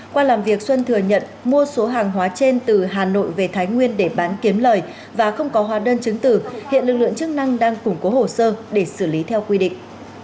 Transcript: qua làm việc xuân thừa nhận mua số hàng hóa trên từ hà nội về thái nguyên để bán kiếm lời và không có hóa đơn chứng tử hiện lực lượng chức năng đang củng cố hồ sơ để xử lý theo quy định